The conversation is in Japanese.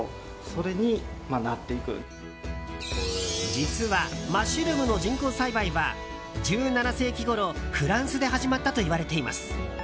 実は、マッシュルームの人工栽培は１７世紀ごろフランスで始まったといわれています。